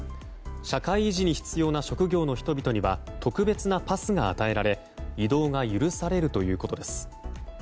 社会維持に必要な職業の人々には特別なパスが与えられ移動が許されるということです。